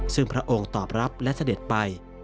ซึ่งพระองค์ตอบรับและเสด็จไป